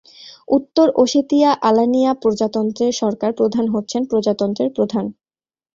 উত্তর ওশেতিয়া-আলানিয়া প্রজাতন্ত্রের সরকার প্রধান হচ্ছেন প্রজাতন্ত্রের প্রধান।